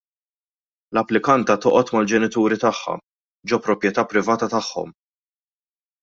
L-applikanta toqgħod mal-ġenituri tagħha ġo proprjetà privata tagħhom.